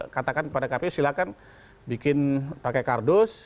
katakan kepada kpu silakan bikin pakai kardus